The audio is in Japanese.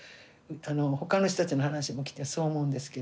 他の人たちの話も聞いてそう思うんですけど。